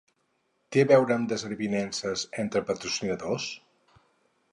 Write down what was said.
Té a veure amb desavinences entre patrocinadors?